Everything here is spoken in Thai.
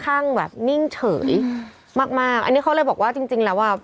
อันนี้เขาเลยบอกว่าจริงแล้วว่า